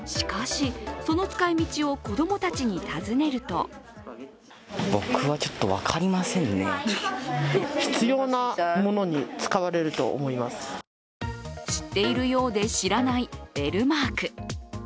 しかし、その使い道を子供たちに尋ねると知っているようで知らないベルマーク。